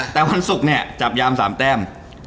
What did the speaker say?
แต่วันศุกร์เนี่ยจับยาม๓แต้ม